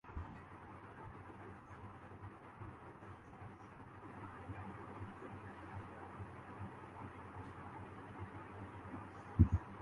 اور بھلائی ہی کا بندو بست کیا گیا ہے